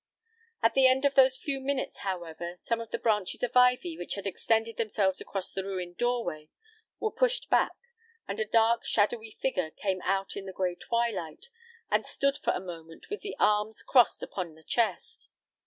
At the end of those few minutes, however, some of the branches of ivy, which had extended themselves across the ruined doorway, were pushed back, and a dark shadowy figure came out in the gray twilight, and stood for a moment with the arms crossed upon the chest.